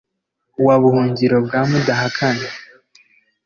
wa buhungiro bwa mudahakana,